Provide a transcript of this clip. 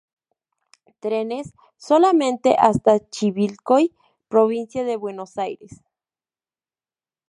Trenes solamente hasta Chivilcoy, Provincia de Buenos Aires.